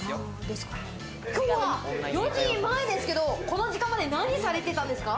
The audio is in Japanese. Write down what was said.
きょうは４時前ですけど、この時間まで何されてたんですか？